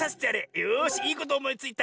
よしいいことおもいついた！』」。